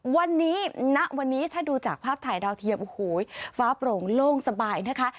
วันนี้ณวันนี้ถ้าดูจากภาพถ่ายดาวเทียมโอ้โหฟ้าโปร่งโล่งสบายนะคะ